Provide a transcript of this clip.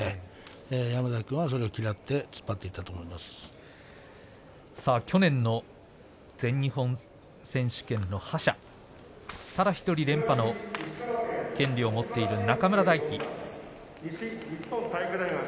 山崎君はそれを嫌って去年の全日本選手権の覇者ただ１人連覇の権利を持っている中村泰輝。